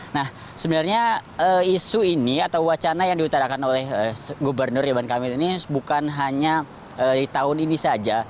nah sebenarnya isu ini atau wacana yang diutarakan oleh gubernur ridwan kamil ini bukan hanya di tahun ini saja